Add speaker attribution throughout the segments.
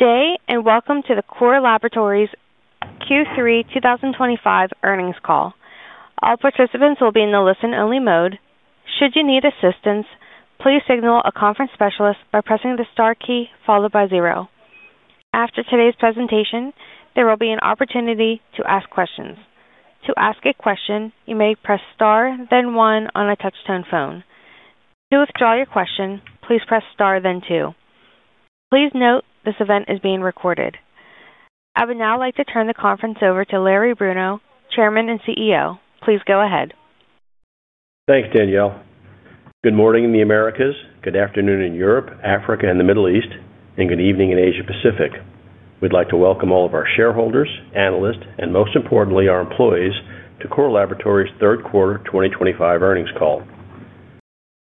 Speaker 1: Today, and welcome to the Core Laboratories Q3 2025 earnings call. All participants will be in the listen-only mode. Should you need assistance, please signal a conference specialist by pressing the star key followed by zero. After today's presentation, there will be an opportunity to ask questions. To ask a question, you may press star then one on a touch-tone phone. To withdraw your question, please press star then two. Please note this event is being recorded. I would now like to turn the conference over to Larry Bruno, Chairman and CEO. Please go ahead.
Speaker 2: Thanks, Danielle. Good morning in the Americas, good afternoon in Europe, Africa, and the Middle East, and good evening in Asia Pacific. We'd like to welcome all of our shareholders, analysts, and most importantly, our employees to Core Laboratories's third quarter 2025 earnings call.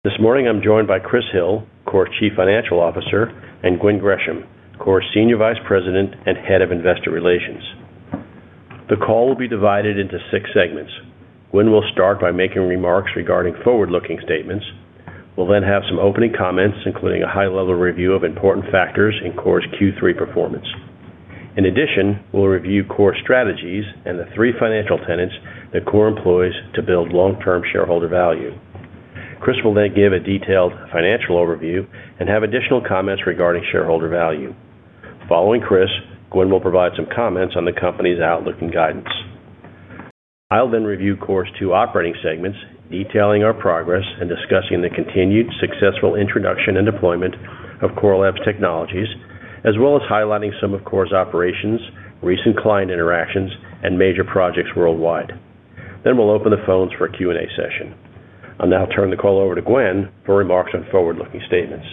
Speaker 2: This morning, I'm joined by Chris Hill, Core's Chief Financial Officer, and Gwen Gresham, Core's Senior Vice President and Head of Investor Relations. The call will be divided into six segments. Gwen will start by making remarks regarding forward-looking statements. We'll then have some opening comments, including a high-level review of important factors in Core's Q3 performance. In addition, we'll review Core's strategies and the three financial tenets that Core employs to build long-term shareholder value. Chris will then give a detailed financial overview and have additional comments regarding shareholder value. Following Chris, Gwen will provide some comments on the company's outlook and guidance. I'll then review Core's two operating segments, detailing our progress and discussing the continued successful introduction and deployment of Core Labs Technologies, as well as highlighting some of Core's operations, recent client interactions, and major projects worldwide. We will open the phones for a Q&A session. I'll now turn the call over to Gwen for remarks on forward-looking statements.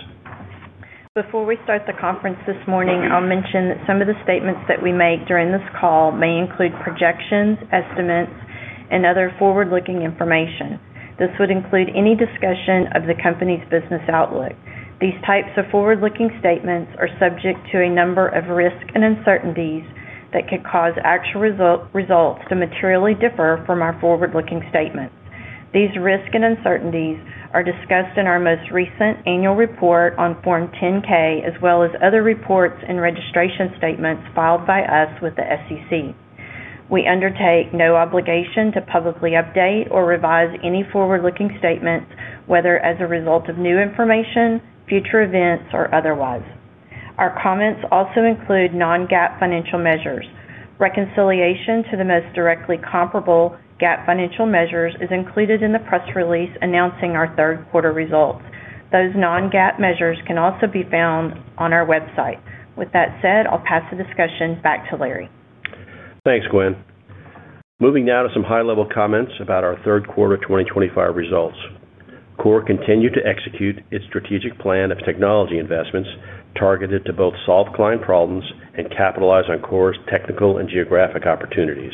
Speaker 3: Before we start the conference this morning, I'll mention that some of the statements that we make during this call may include projections, estimates, and other forward-looking information. This would include any discussion of the company's business outlook. These types of forward-looking statements are subject to a number of risks and uncertainties that could cause actual results to materially differ from our forward-looking statements. These risks and uncertainties are discussed in our most recent annual report on Form 10-K, as well as other reports and registration statements filed by us with the SEC. We undertake no obligation to publicly update or revise any forward-looking statements, whether as a result of new information, future events, or otherwise. Our comments also include non-GAAP financial measures. Reconciliation to the most directly comparable GAAP financial measures is included in the press release announcing our third quarter results. Those non-GAAP measures can also be found on our website. With that said, I'll pass the discussion back to Larry.
Speaker 2: Thanks, Gwen. Moving now to some high-level comments about our third quarter 2025 results. Core continued to execute its strategic plan of technology investments targeted to both solve client problems and capitalize on Core's technical and geographic opportunities.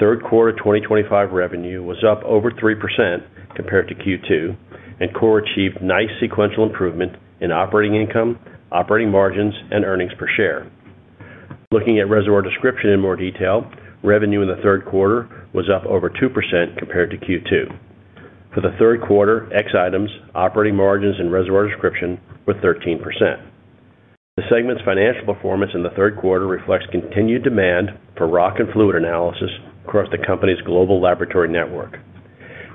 Speaker 2: Third quarter 2025 revenue was up over 3% compared to Q2, and Core achieved nice sequential improvement in operating income, operating margins, and earnings per share. Looking at reservoir description in more detail, revenue in the third quarter was up over 2% compared to Q2. For the third quarter, excluding items, operating margins in reservoir description were 13%. The segment's financial performance in the third quarter reflects continued demand for rock and fluid analysis across the company's global laboratory network.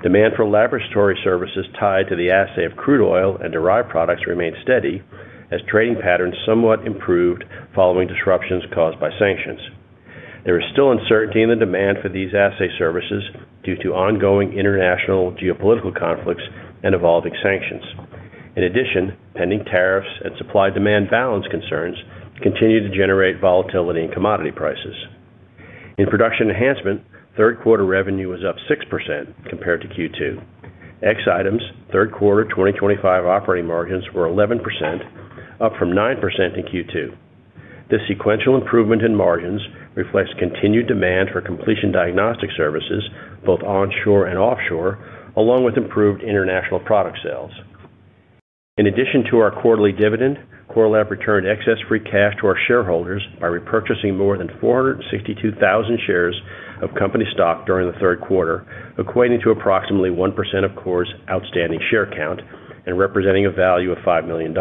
Speaker 2: Demand for laboratory services tied to the assay of crude oil and derived products remained steady as trading patterns somewhat improved following disruptions caused by sanctions. There is still uncertainty in the demand for these assay services due to ongoing international geopolitical conflicts and evolving sanctions. In addition, pending tariffs and supply-demand balance concerns continue to generate volatility in commodity prices. In production enhancement, third quarter revenue was up 6% compared to Q2. Excluding items, third quarter 2025 operating margins were 11%, up from 9% in Q2. This sequential improvement in margins reflects continued demand for completion diagnostic services, both onshore and offshore, along with improved international product sales. In addition to our quarterly dividend, Core Lab returned excess free cash to our shareholders by repurchasing more than 462,000 shares of company stock during the third quarter, equating to approximately 1% of Core's outstanding share count and representing a value of $5 million.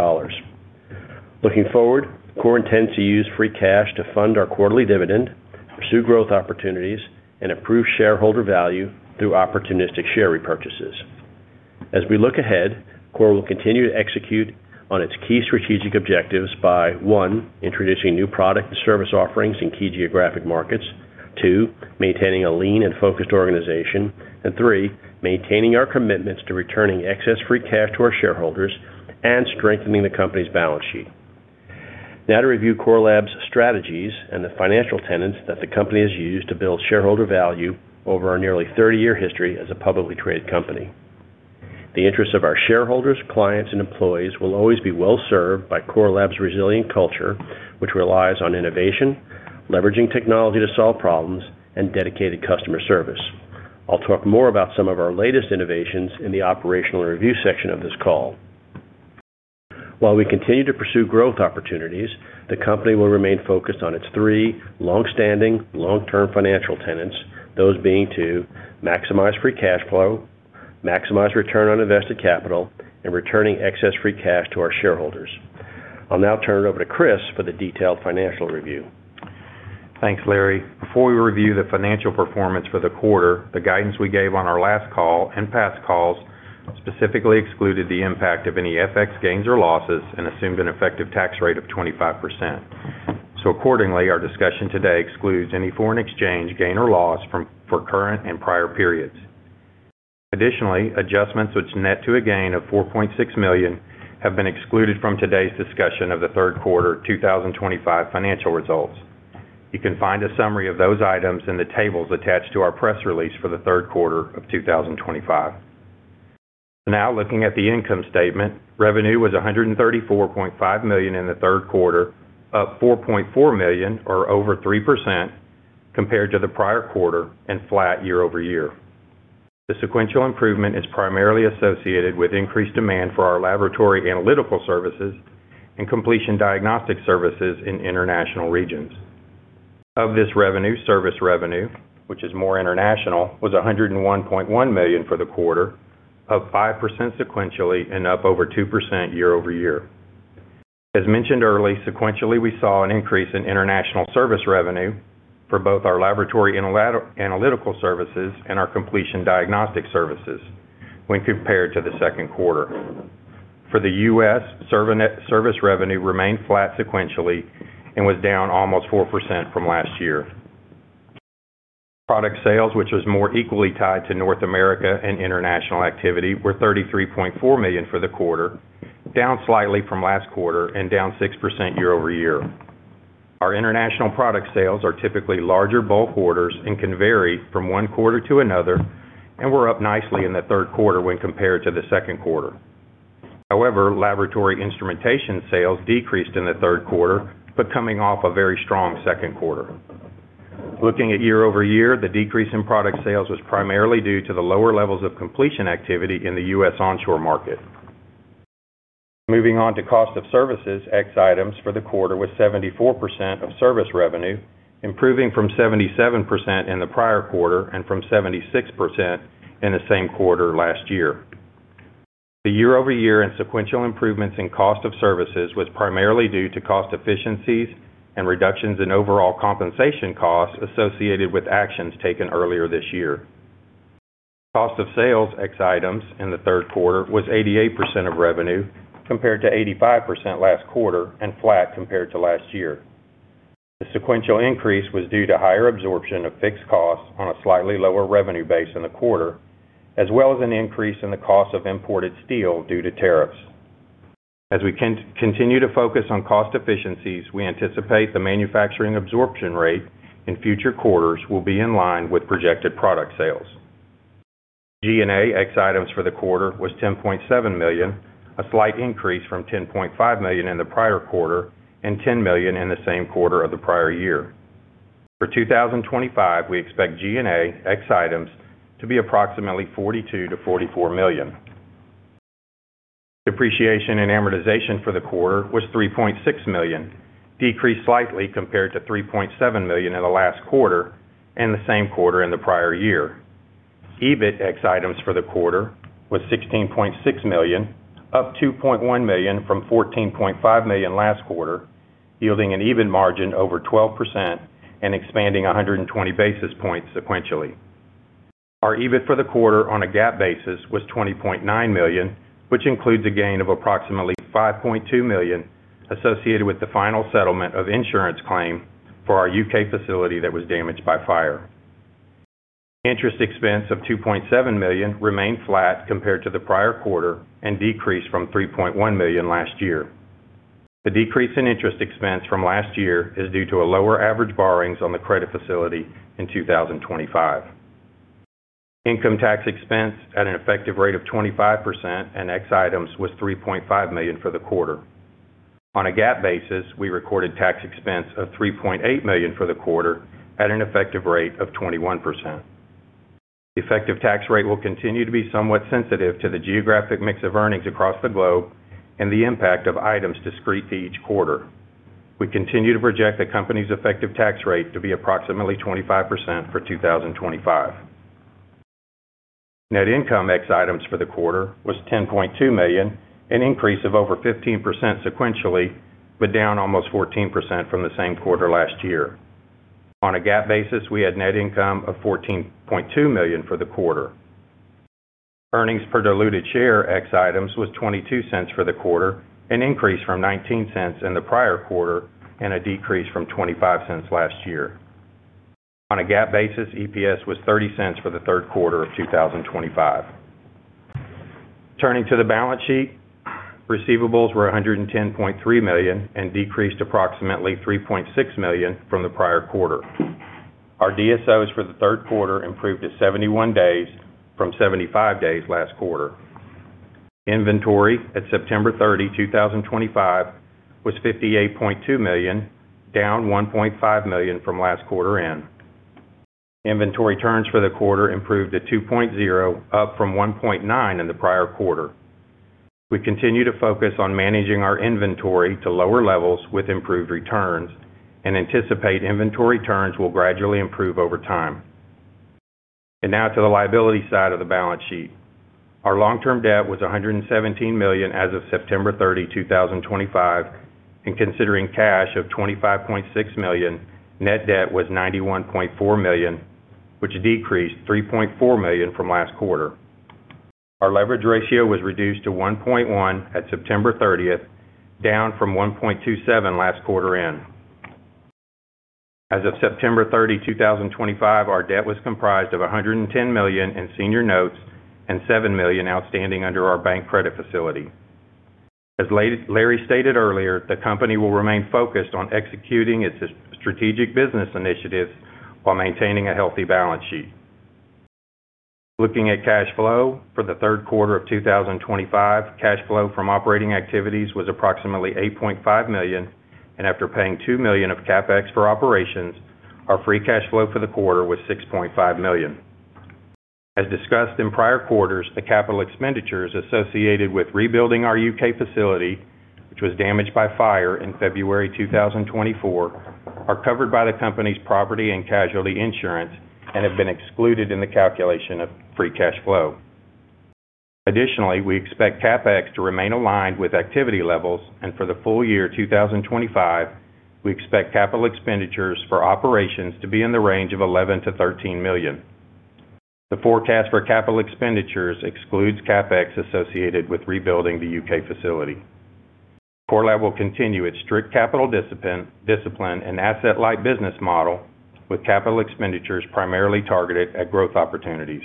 Speaker 2: Looking forward, Core intends to use free cash to fund our quarterly dividend, pursue growth opportunities, and improve shareholder value through opportunistic share repurchases. As we look ahead, Core will continue to execute on its key strategic objectives by, one, introducing new product and service offerings in key geographic markets, two, maintaining a lean and focused organization, and three, maintaining our commitments to returning excess free cash to our shareholders and strengthening the company's balance sheet. Now to review Core Lab's strategies and the financial tenets that the company has used to build shareholder value over our nearly 30-year history as a publicly traded company. The interests of our shareholders, clients, and employees will always be well served by Core Lab's resilient culture, which relies on innovation, leveraging technology to solve problems, and dedicated customer service. I'll talk more about some of our latest innovations in the operational review section of this call. While we continue to pursue growth opportunities, the company will remain focused on its three longstanding long-term financial tenets, those being to maximize free cash flow, maximize return on invested capital, and returning excess free cash to our shareholders. I'll now turn it over to Chris for the detailed financial review.
Speaker 4: Thanks, Larry Bruno. Before we review the financial performance for the quarter, the guidance we gave on our last call and past calls specifically excluded the impact of any FX gains or losses and assumed an effective tax rate of 25%. Accordingly, our discussion today excludes any foreign exchange gain or loss for current and prior periods. Additionally, adjustments which net to a gain of $4.6 million have been excluded from today's discussion of the third quarter 2025 financial results. You can find a summary of those items in the tables attached to our press release for the third quarter of 2025. Now, looking at the income statement, revenue was $134.5 million in the third quarter, up $4.4 million or over 3% compared to the prior quarter and flat year-over-year. The sequential improvement is primarily associated with increased demand for our laboratory assay services and completion diagnostic services in international regions. Of this revenue, service revenue, which is more international, was $101.1 million for the quarter, up 5% sequentially and up over 2% year-over-year. As mentioned early, sequentially we saw an increase in international service revenue for both our laboratory assay services and our completion diagnostic services when compared to the second quarter. For the U.S., service revenue remained flat sequentially and was down almost 4% from last year. Product sales, which was more equally tied to North America and international activity, were $33.4 million for the quarter, down slightly from last quarter and down 6% year-over-year. Our international product sales are typically larger bulk orders and can vary from one quarter to another, and were up nicely in the third quarter when compared to the second quarter. However, laboratory instrumentation sales decreased in the third quarter, but coming off a very strong second quarter. Looking at year-over-year, the decrease in product sales was primarily due to the lower levels of completion activity in the U.S. onshore market. Moving on to cost of services, X items for the quarter was 74% of service revenue, improving from 77% in the prior quarter and from 76% in the same quarter last year. The year-over-year and sequential improvements in cost of services were primarily due to cost efficiencies and reductions in overall compensation costs associated with actions taken earlier this year. Cost of sales X items in the third quarter was 88% of revenue compared to 85% last quarter and flat compared to last year. The sequential increase was due to higher absorption of fixed costs on a slightly lower revenue base in the quarter, as well as an increase in the cost of imported steel due to tariffs. As we continue to focus on cost efficiencies, we anticipate the manufacturing absorption rate in future quarters will be in line with projected product sales. G&A X items for the quarter was $10.7 million, a slight increase from $10.5 million in the prior quarter and $10 million in the same quarter of the prior year. For 2025, we expect G&A X items to be approximately $42 million-$44 million. Depreciation and amortization for the quarter was $3.6 million, decreased slightly compared to $3.7 million in the last quarter and the same quarter in the prior year. EBIT X items for the quarter was $16.6 million, up $2.1 million from $14.5 million last quarter, yielding an EBIT margin over 12% and expanding 120 basis points sequentially. Our EBIT for the quarter on a GAAP basis was $20.9 million, which includes a gain of approximately $5.2 million associated with the final settlement of insurance claim for our U.K. facility that was damaged by fire. Interest expense of $2.7 million remained flat compared to the prior quarter and decreased from $3.1 million last year. The decrease in interest expense from last year is due to a lower average borrowings on the credit facility in 2025. Income tax expense at an effective rate of 25% and X items was $3.5 million for the quarter. On a GAAP basis, we recorded tax expense of $3.8 million for the quarter at an effective rate of 21%. The effective tax rate will continue to be somewhat sensitive to the geographic mix of earnings across the globe and the impact of items discrete to each quarter. We continue to project the company's effective tax rate to be approximately 25% for 2025. Net income ex items for the quarter was $10.2 million, an increase of over 15% sequentially, but down almost 14% from the same quarter last year. On a GAAP basis, we had net income of $14.2 million for the quarter. Earnings per diluted share ex items was $0.22 for the quarter, an increase from $0.19 in the prior quarter and a decrease from $0.25 last year. On a GAAP basis, EPS was $0.30 for the third quarter of 2025. Turning to the balance sheet, receivables were $110.3 million and decreased approximately $3.6 million from the prior quarter. Our DSOs for the third quarter improved to 71 days from 75 days last quarter. Inventory at September 30, 2025 was $58.2 million, down $1.5 million from last quarter end. Inventory turns for the quarter improved to $2.0 million, up from $1.9 million in the prior quarter. We continue to focus on managing our inventory to lower levels with improved returns and anticipate inventory turns will gradually improve over time. Now to the liability side of the balance sheet. Our long-term debt was $117 million as of September 30, 2025, and considering cash of $25.6 million, net debt was $91.4 million, which decreased $3.4 million from last quarter. Our leverage ratio was reduced to 1.1 at September 30th, down from 1.27 last quarter end. As of September 30, 2025, our debt was comprised of $110 million in senior notes and $7 million outstanding under our bank credit facility. As Larry stated earlier, the company will remain focused on executing its strategic business initiatives while maintaining a healthy balance sheet. Looking at cash flow for the third quarter of 2025, cash flow from operating activities was approximately $8.5 million, and after paying $2 million of CapEx for operations, our free cash flow for the quarter was $6.5 million. As discussed in prior quarters, the capital expenditures associated with rebuilding our U.K. facility, which was damaged by fire in February 2024, are covered by the company's property and casualty insurance and have been excluded in the calculation of free cash flow. Additionally, we expect CapEx to remain aligned with activity levels, and for the full year 2025, we expect capital expenditures for operations to be in the range of $11 million-$13 million. The forecast for capital expenditures excludes CapEx associated with rebuilding the U.K. facility. Core Lab will continue its strict capital discipline and asset-light business model with capital expenditures primarily targeted at growth opportunities.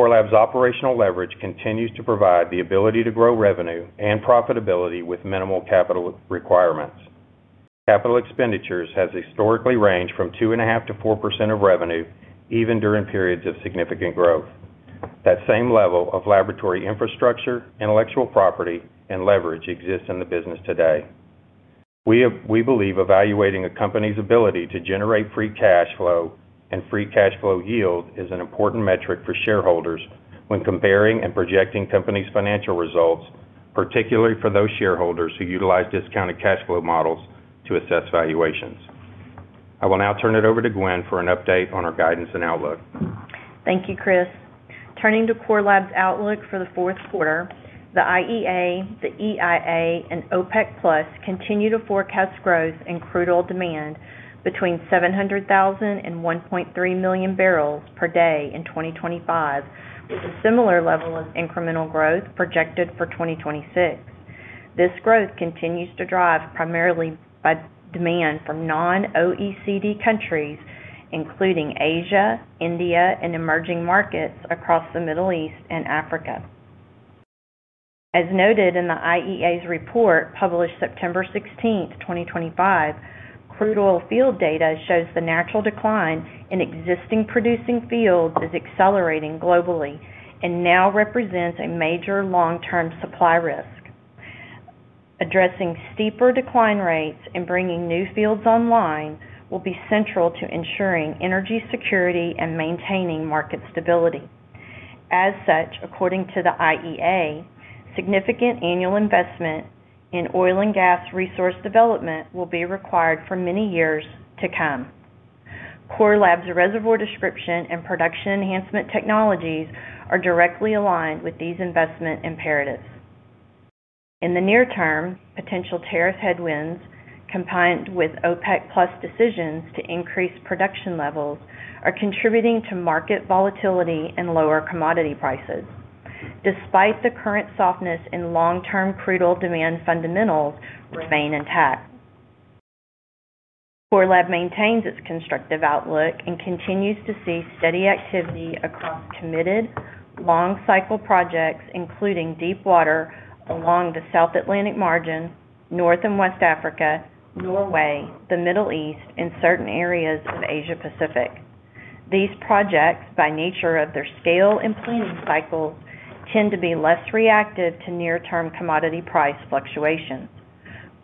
Speaker 4: Core Lab's operational leverage continues to provide the ability to grow revenue and profitability with minimal capital requirements. Capital expenditures have historically ranged from 2.5%-4% of revenue, even during periods of significant growth. That same level of laboratory infrastructure, intellectual property, and leverage exists in the business today. We believe evaluating a company's ability to generate free cash flow and free cash flow yield is an important metric for shareholders when comparing and projecting companies' financial results, particularly for those shareholders who utilize discounted cash flow models to assess valuations. I will now turn it over to Gwen for an update on our guidance and outlook.
Speaker 3: Thank you, Chris. Turning to Core Laboratories Inc.'s outlook for the fourth quarter, the IEA, the EIA, and OPEC+ continue to forecast growth in crude oil demand between 700,000 and 1.3 million bbls per day in 2025, with a similar level of incremental growth projected for 2026. This growth continues to be driven primarily by demand from non-OECD countries, including Asia, India, and emerging markets across the Middle East and Africa. As noted in the IEA's report published September 16th, 2025, crude oil field data shows the natural decline in existing producing fields is accelerating globally and now represents a major long-term supply risk. Addressing steeper decline rates and bringing new fields online will be central to ensuring energy security and maintaining market stability. As such, according to the IEA, significant annual investment in oil and gas resource development will be required for many years to come. Core Lab's reservoir description and production enhancement technologies are directly aligned with these investment imperatives. In the near term, potential tariff headwinds, combined with OPEC+ decisions to increase production levels, are contributing to market volatility and lower commodity prices. Despite the current softness in long-term crude oil demand, fundamentals remain intact. Core Lab maintains its constructive outlook and continues to see steady activity across committed long-cycle projects, including deepwater along the South Atlantic margin, North and West Africa, Norway, the Middle East, and certain areas of Asia Pacific. These projects, by nature of their scale and planning cycles, tend to be less reactive to near-term commodity price fluctuations.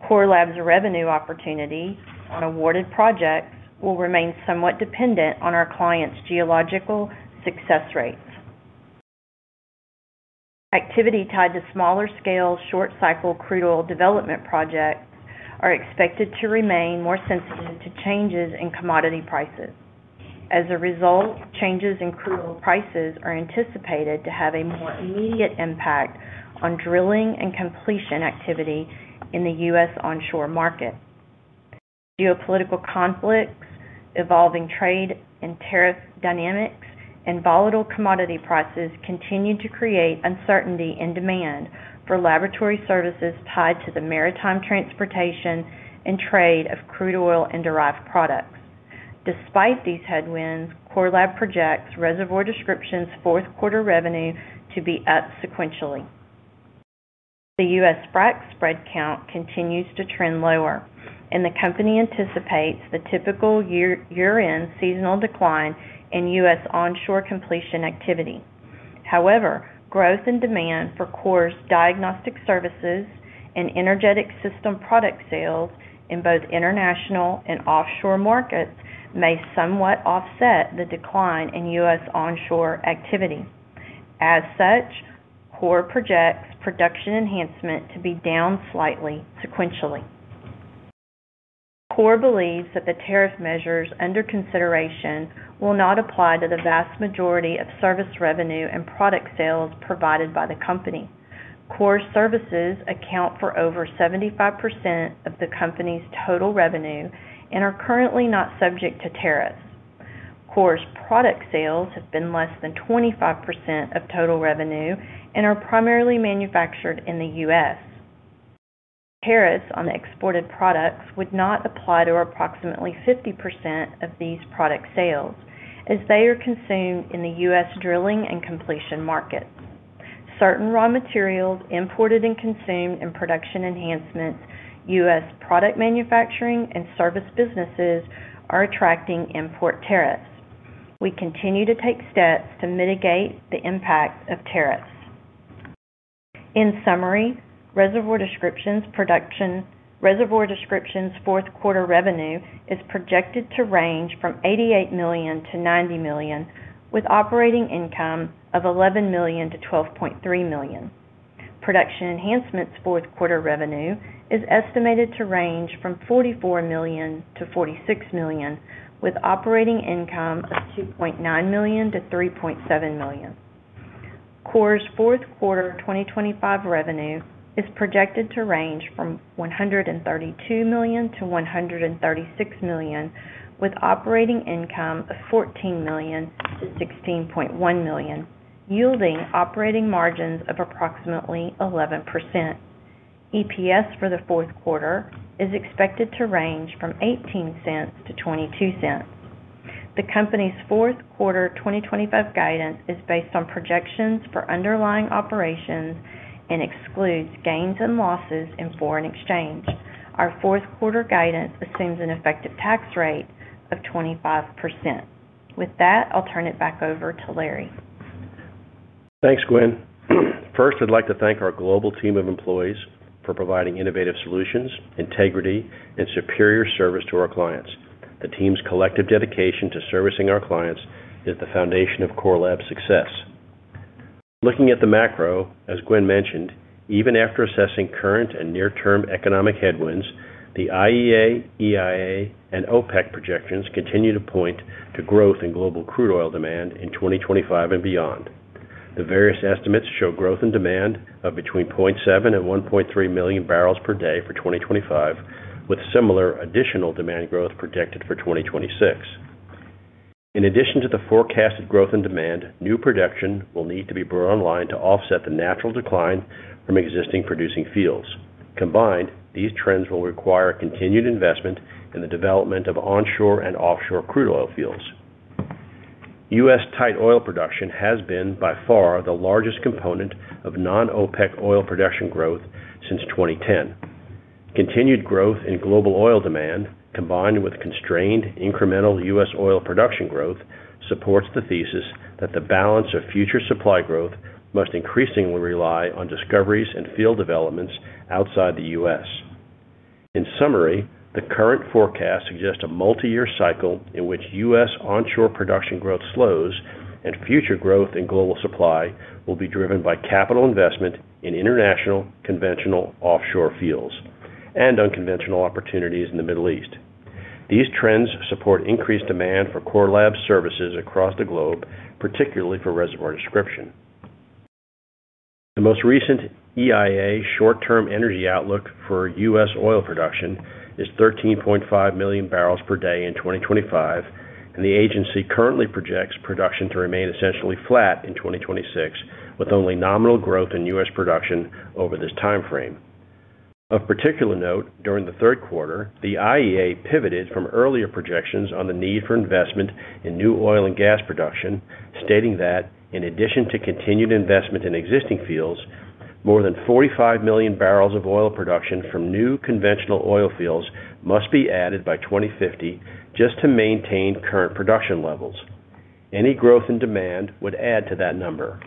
Speaker 3: Core Lab 's revenue opportunity on awarded projects will remain somewhat dependent on our clients' geological success rates. Activity tied to smaller scale short-cycle crude oil development projects is expected to remain more sensitive to changes in commodity prices. As a result, changes in crude oil prices are anticipated to have a more immediate impact on drilling and completion activity in the U.S. onshore market. Geopolitical conflicts, evolving trade and tariff dynamics, and volatile commodity prices continue to create uncertainty in demand for laboratory services tied to the maritime transportation and trade of crude oil and derived products. Despite these headwinds, Core Lab projects reservoir description's fourth quarter revenue to be up sequentially. The U.S. BRAC spread count continues to trend lower, and the company anticipates the typical year-end seasonal decline in U.S. onshore completion activity. However, growth in demand for Core's diagnostic services and energetic system product sales in both international and offshore markets may somewhat offset the decline in U.S. onshore activity. As such, Core projects production enhancement to be down slightly sequentially. Core believes that the tariff measures under consideration will not apply to the vast majority of service revenue and product sales provided by the company. Core's services account for over 75% of the company's total revenue and are currently not subject to tariffs. Core's product sales have been less than 25% of total revenue and are primarily manufactured in the U.S. Tariffs on exported products would not apply to approximately 50% of these product sales, as they are consumed in the U.S. drilling and completion market. Certain raw materials imported and consumed in production enhancements, U.S. product manufacturing, and service businesses are attracting import tariffs. We continue to take steps to mitigate the impact of tariffs. In summary, reservoir description's fourth quarter revenue is projected to range from $88 million-$90 million, with operating income of $11 million-$12.3 million. Production enhancement's fourth quarter revenue is estimated to range from $44 million-$46 million, with operating income of $2.9 million-$3.7 million. Core's fourth quarter 2025 revenue is projected to range from $132 million-$136 million, with operating income of $14 million-$16.1 million, yielding operating margins of approximately 11%. EPS for the fourth quarter is expected to range from $0.18-$0.22. The company's fourth quarter 2025 guidance is based on projections for underlying operations and excludes gains and losses in foreign exchange. Our fourth quarter guidance assumes an effective tax rate of 25%. With that, I'll turn it back over to Larry.
Speaker 2: Thanks, Gwen. First, I'd like to thank our global team of employees for providing innovative solutions, integrity, and superior service to our clients. The team's collective dedication to servicing our clients is the foundation of Core Lab's success. Looking at the macro, as Gwen mentioned, even after assessing current and near-term economic headwinds, the IEA, EIA, and OPEC+ projections continue to point to growth in global crude oil demand in 2025 and beyond. The various estimates show growth in demand of between 0.7 and 1.3 million bbls per day for 2025, with similar additional demand growth projected for 2026. In addition to the forecasted growth in demand, new production will need to be brought online to offset the natural decline from existing producing fields. Combined, these trends will require continued investment in the development of onshore and offshore crude oil fields. U.S. tight oil production has been by far the largest component of non-OPEC oil production growth since 2010. Continued growth in global oil demand, combined with constrained incremental U.S. oil production growth, supports the thesis that the balance of future supply growth must increasingly rely on discoveries and field developments outside the U.S. In summary, the current forecast suggests a multi-year cycle in which U.S. onshore production growth slows and future growth in global supply will be driven by capital investment in international conventional offshore fields and unconventional opportunities in the Middle East. These trends support increased demand for Core Lab's services across the globe, particularly for reservoir description. The most recent EIA short-term energy outlook for U.S. oil production is 13.5 million bbls per day in 2025, and the agency currently projects production to remain essentially flat in 2026, with only nominal growth in U.S. production over this timeframe. Of particular note, during the third quarter, the IEA pivoted from earlier projections on the need for investment in new oil and gas production, stating that in addition to continued investment in existing fields, more than 45 million bbls of oil production from new conventional oil fields must be added by 2050 just to maintain current production levels. Any growth in demand would add to that number.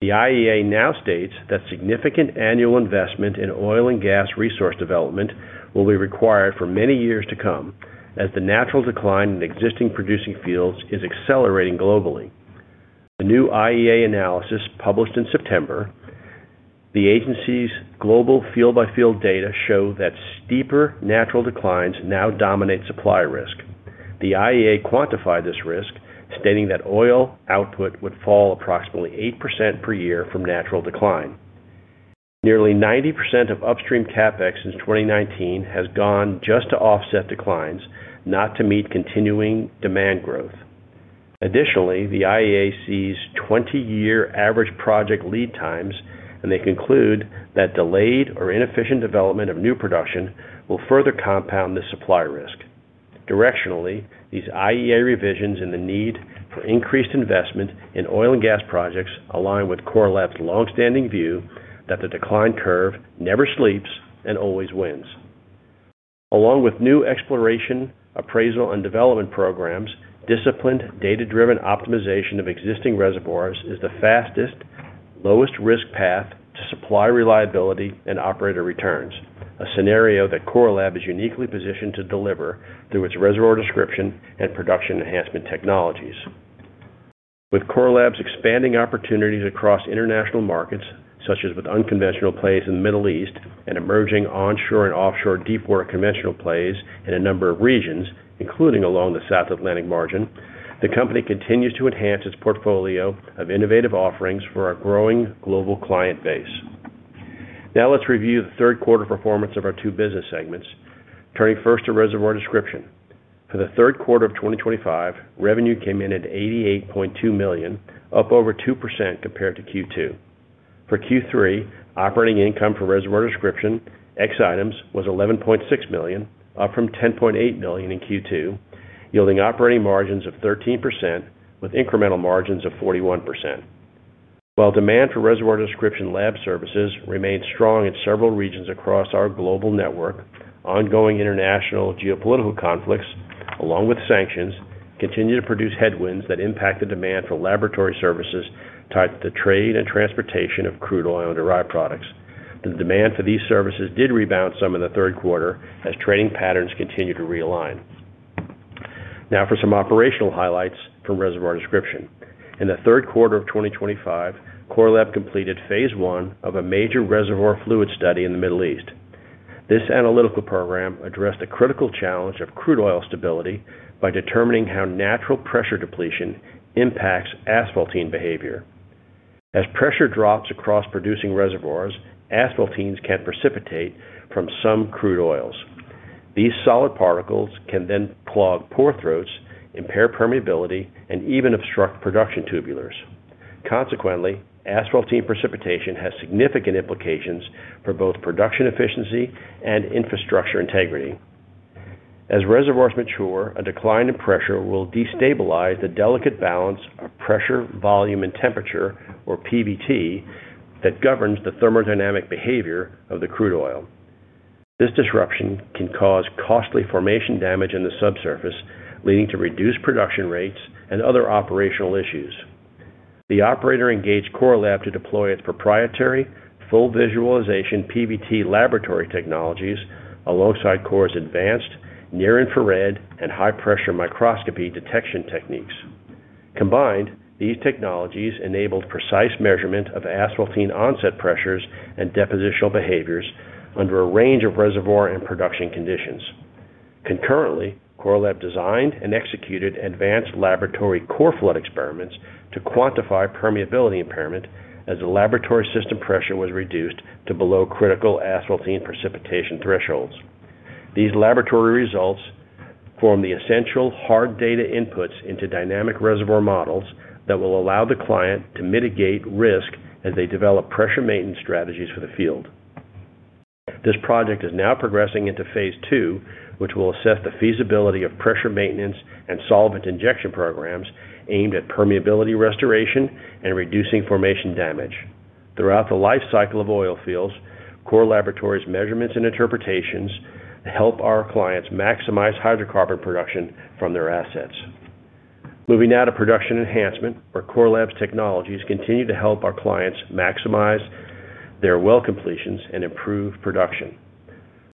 Speaker 2: The IEA now states that significant annual investment in oil and gas resource development will be required for many years to come as the natural decline in existing producing fields is accelerating globally. The new IEA analysis published in September, the agency's global field-by-field data show that steeper natural declines now dominate supply risk. The IEA quantified this risk, stating that oil output would fall approximately 8% per year from natural decline. Nearly 90% of upstream CapEx since 2019 has gone just to offset declines, not to meet continuing demand growth. Additionally, the IEA sees 20-year average project lead times, and they conclude that delayed or inefficient development of new production will further compound this supply risk. Directionally, these IEA revisions in the need for increased investment in oil and gas projects align with Core Lab's longstanding view that the decline curve never sleeps and always wins. Along with new exploration, appraisal, and development programs, disciplined data-driven optimization of existing reservoirs is the fastest, lowest-risk path to supply reliability and operator returns, a scenario that Core Lab is uniquely positioned to deliver through its reservoir description and production enhancement technologies. With Core Lab's expanding opportunities across international markets, such as with unconventional plays in the Middle East and emerging onshore and offshore deep work conventional plays in a number of regions, including along the South Atlantic margin, the company continues to enhance its portfolio of innovative offerings for our growing global client base. Now let's review the third quarter performance of our two business segments. Turning first to reservoir description. For the third quarter of 2025, revenue came in at $88.2 million, up over 2% compared to Q2. For Q3, operating income for reservoir description, X items was $11.6 million, up from $10.8 million in Q2, yielding operating margins of 13% with incremental margins of 41%. While demand for reservoir description laboratory services remains strong in several regions across our global network, ongoing international geopolitical conflicts, along with sanctions, continue to produce headwinds that impact the demand for laboratory services tied to the trade and transportation of crude oil and derived products. The demand for these services did rebound some in the third quarter as trading patterns continue to realign. Now for some operational highlights from reservoir description. In the third quarter of 2025, Core Lab completed phase one of a major reservoir fluid study in the Middle East. This analytical program addressed the critical challenge of crude oil stability by determining how natural pressure depletion impacts asphaltene behavior. As pressure drops across producing reservoirs, asphaltenes can precipitate from some crude oils. These solid particles can then clog pore throats, impair permeability, and even obstruct production tubulars. Consequently, asphaltene precipitation has significant implications for both production efficiency and infrastructure integrity. As reservoirs mature, a decline in pressure will destabilize the delicate balance of pressure, volume, and temperature, or PVT, that governs the thermodynamic behavior of the crude oil. This disruption can cause costly formation damage in the subsurface, leading to reduced production rates and other operational issues. The operator engaged Core Lab to deploy its proprietary full visualization PVT laboratory technologies alongside Core's advanced near-infrared and high-pressure microscopy detection techniques. Combined, these technologies enabled precise measurement of asphaltene onset pressures and depositional behaviors under a range of reservoir and production conditions. Concurrently, Core Lab designed and executed advanced laboratory core flood experiments to quantify permeability impairment as the laboratory system pressure was reduced to below critical asphaltene precipitation thresholds. These laboratory results form the essential hard data inputs into dynamic reservoir models that will allow the client to mitigate risk as they develop pressure maintenance strategies for the field. This project is now progressing into Phase II, which will assess the feasibility of pressure maintenance and solvent injection programs aimed at permeability restoration and reducing formation damage. Throughout the life cycle of oil fields, Core Labo's measurements and interpretations help our clients maximize hydrocarbon production from their assets. Moving now to production enhancement, where Core Lab's technologies continue to help our clients maximize their well completions and improve production.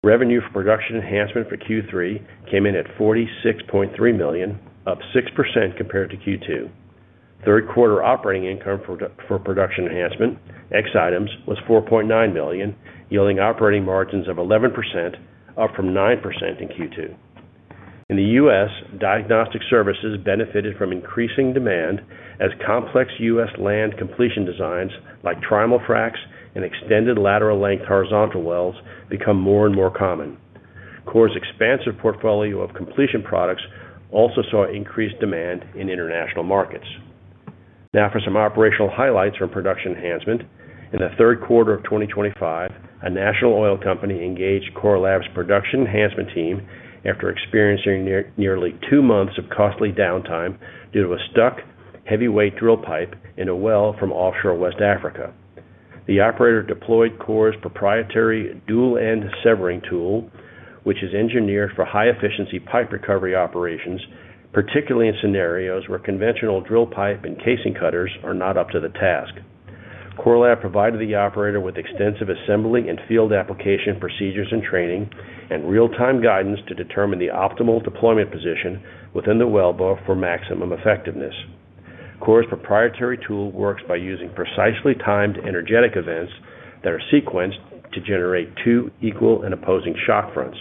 Speaker 2: Revenue for production enhancement for Q3 came in at $46.3 million, up 6% compared to Q2. Third quarter operating income for production enhancement, excluding items, was $4.9 million, yielding operating margins of 11%, up from 9% in Q2. In the U.S., diagnostic services benefited from increasing demand as complex U.S. land completion designs like trimal fracks and extended lateral length horizontal wells become more and more common. Core's expansive portfolio of completion products also saw increased demand in international markets. Now for some operational highlights from production enhancement. In the third quarter of 2025, a national oil company engaged Core Lab's production enhancement team after experiencing nearly two months of costly downtime due to a stuck heavyweight drill pipe in a well from offshore West Africa. The operator deployed Core's proprietary dual-end severing tool, which is engineered for high-efficiency pipe recovery operations, particularly in scenarios where conventional drill pipe and casing cutters are not up to the task. Core Lab provided the operator with extensive assembly and field application procedures and training and real-time guidance to determine the optimal deployment position within the wellbore for maximum effectiveness. Core's proprietary tool works by using precisely timed energetic events that are sequenced to generate two equal and opposing shock fronts.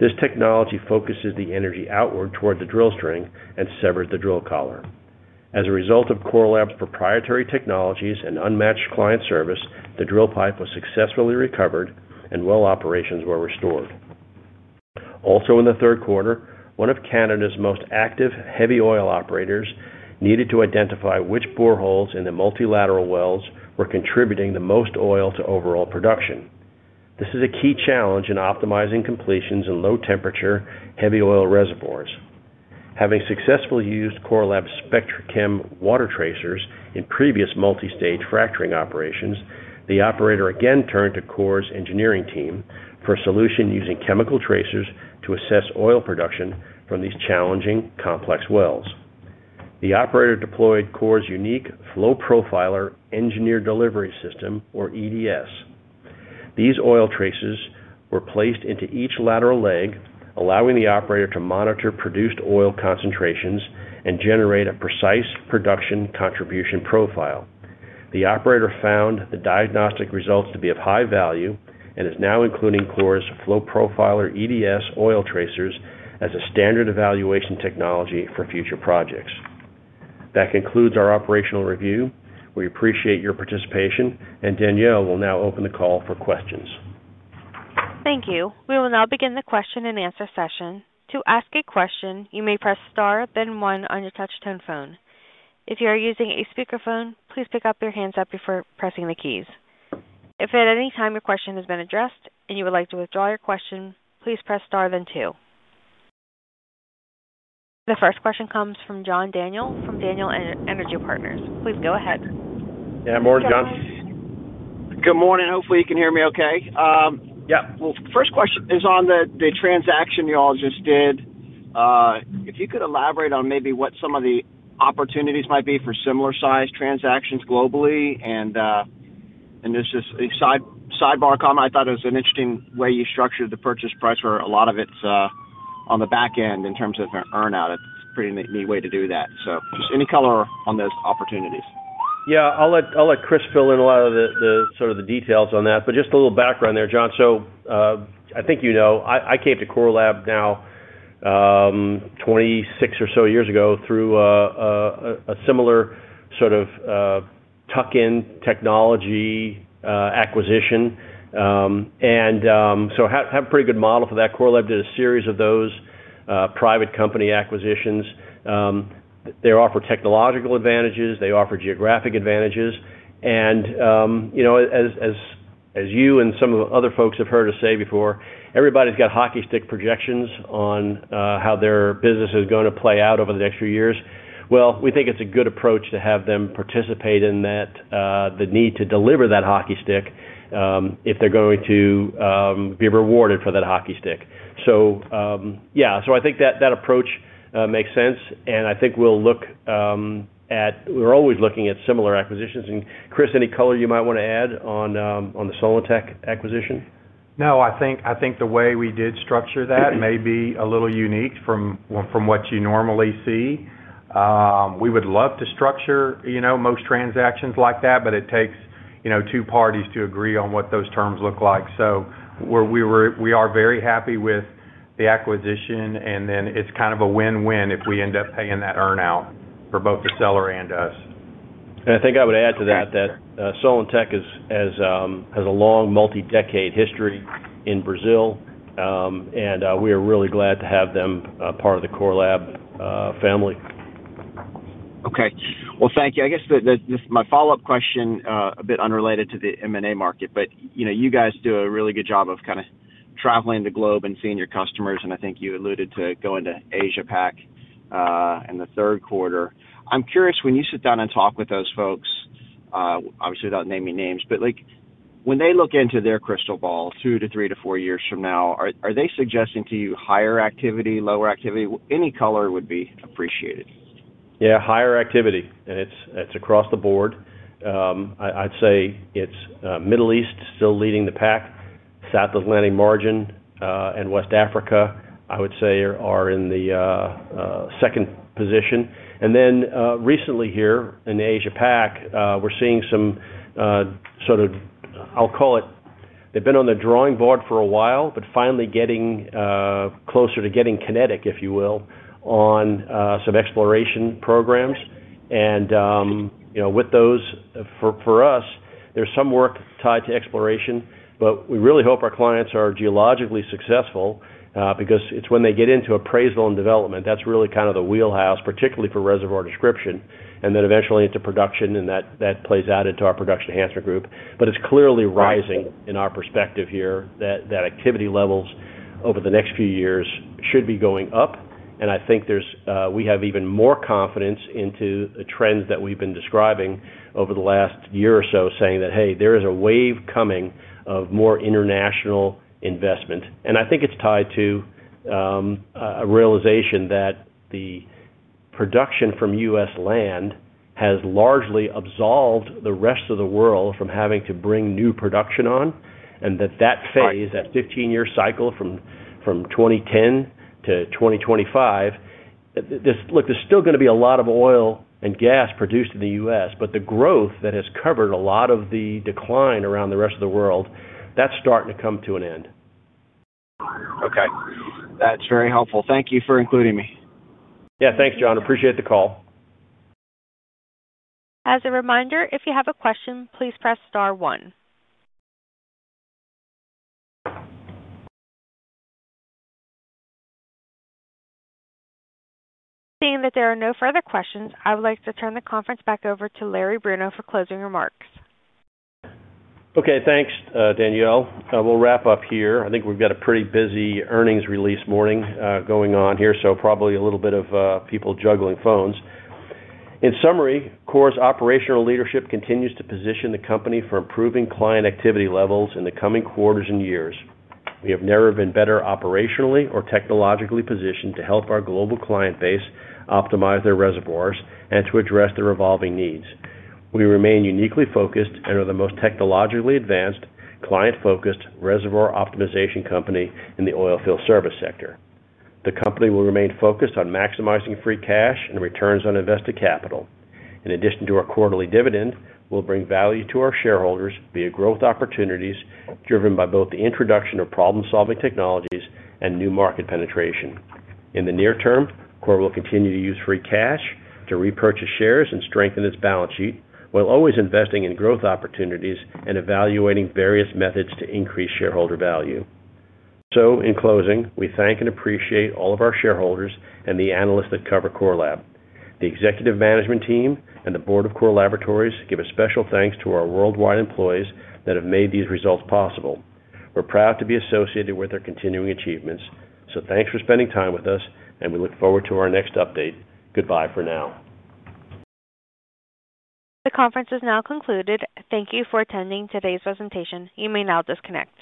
Speaker 2: This technology focuses the energy outward toward the drill string and severs the drill collar. As a result of Core Lab's proprietary technologies and unmatched client service, the drill pipe was successfully recovered and well operations were restored. Also in the third quarter, one of Canada's most active heavy oil operators needed to identify which boreholes in the multilateral wells were contributing the most oil to overall production. This is a key challenge in optimizing completions in low-temperature heavy oil reservoirs. Having successfully used Core Lab's SpectraChem water tracers in previous multi-stage fracturing operations, the operator again turned to Core's engineering team for a solution using chemical tracers to assess oil production from these challenging, complex wells. The operator deployed Core's unique flow profiler engineer delivery system, or EDS. These oil tracers were placed into each lateral leg, allowing the operator to monitor produced oil concentrations and generate a precise production contribution profile. The operator found the diagnostic results to be of high value and is now including Core Lab's flow profiler EDS oil tracers as a standard evaluation technology for future projects. That concludes our operational review. We appreciate your participation, and Danielle will now open the call for questions.
Speaker 1: Thank you. We will now begin the question and answer session. To ask a question, you may press star, then one on your touch-tone phone. If you are using a speakerphone, please pick up your handset before pressing the keys. If at any time your question has been addressed and you would like to withdraw your question, please press star, then two. The first question comes from John Daniel from Daniel Energy Partners. Please go ahead.
Speaker 2: Yeah, morning, John.
Speaker 5: Good morning. Hopefully, you can hear me okay.
Speaker 2: Yep.
Speaker 5: The first question is on the transaction you all just did. If you could elaborate on maybe what some of the opportunities might be for similar-sized transactions globally. This is a sidebar comment. I thought it was an interesting way you structured the purchase price where a lot of it's on the back end in terms of an earnout. It's a pretty neat way to do that. Just any color on those opportunities.
Speaker 2: I'll let Chris fill in a lot of the details on that. Just a little background there, John. I think you know I came to Core Lab now, 26 or so years ago through a similar sort of tuck-in technology acquisition, and I have a pretty good model for that. Core Lab did a series of those private company acquisitions. They offer technological advantages. They offer geographic advantages. As you and some of the other folks have heard us say before, everybody's got hockey stick projections on how their business is going to play out over the next few years. We think it's a good approach to have them participate in that, the need to deliver that hockey stick, if they're going to be rewarded for that hockey stick. I think that approach makes sense. I think we're always looking at similar acquisitions. Chris, any color you might want to add on the Solantec acquisition?
Speaker 4: I think the way we did structure that may be a little unique from what you normally see. We would love to structure, you know, most transactions like that, but it takes, you know, two parties to agree on what those terms look like. We are very happy with the acquisition, and then it's kind of a win-win if we end up paying that earnout for both the seller and us.
Speaker 2: I would add to that that Solantec has a long multi-decade history in Brazil, and we are really glad to have them part of the Core Lab family.
Speaker 5: Thank you. I guess this is my follow-up question, a bit unrelated to the M&A market. You guys do a really good job of kind of traveling the globe and seeing your customers. I think you alluded to going to Asia Pac in the third quarter. I'm curious, when you sit down and talk with those folks, obviously without naming names, when they look into their crystal ball two to three to four years from now, are they suggesting to you higher activity, lower activity? Any color would be appreciated.
Speaker 2: Yeah, higher activity. It's across the board. I'd say it's Middle East still leading the pack. South Atlantic margin and West Africa, I would say, are in the second position. Recently here in Asia Pac, we're seeing some, sort of, I'll call it, they've been on the drawing board for a while, but finally getting closer to getting kinetic, if you will, on some exploration programs. With those, for us, there's some work tied to exploration, but we really hope our clients are geologically successful, because it's when they get into appraisal and development, that's really kind of the wheelhouse, particularly for reservoir description, and then eventually into production. That plays out into our production enhancement group. It's clearly rising in our perspective here that activity levels over the next few years should be going up. I think we have even more confidence into the trends that we've been describing over the last year or so, saying that, hey, there is a wave coming of more international investment. I think it's tied to a realization that the production from U.S. land has largely absolved the rest of the world from having to bring new production on. That phase, that 15-year cycle from 2010-2025, look, there's still going to be a lot of oil and gas produced in the U.S., but the growth that has covered a lot of the decline around the rest of the world, that's starting to come to an end.
Speaker 5: Okay, that's very helpful. Thank you for including me.
Speaker 2: Yeah, thanks, John. Appreciate the call.
Speaker 1: As a reminder, if you have a question, please press star one. Seeing that there are no further questions, I would like to turn the conference back over to Larry Bruno for closing remarks.
Speaker 2: Okay, thanks, Danielle. We'll wrap up here. I think we've got a pretty busy earnings release morning going on here, so probably a little bit of people juggling phones. In summary, Core's operational leadership continues to position the company for improving client activity levels in the coming quarters and years. We have never been better operationally or technologically positioned to help our global client base optimize their reservoirs and to address their evolving needs. We remain uniquely focused and are the most technologically advanced, client-focused reservoir optimization company in the oilfield service sector. The company will remain focused on maximizing free cash and returns on invested capital. In addition to our quarterly dividend, we'll bring value to our shareholders via growth opportunities driven by both the introduction of problem-solving technologies and new market penetration. In the near-term, Core will continue to use free cash to repurchase shares and strengthen its balance sheet while always investing in growth opportunities and evaluating various methods to increase shareholder value. In closing, we thank and appreciate all of our shareholders and the analysts that cover Core Lab. The executive management team and the board of Core Laboratories give a special thanks to our worldwide employees that have made these results possible. We're proud to be associated with their continuing achievements. Thanks for spending time with us, and we look forward to our next update. Goodbye for now.
Speaker 1: The conference is now concluded. Thank you for attending today's presentation. You may now disconnect.